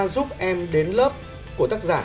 giúp em đến lớp của tác giả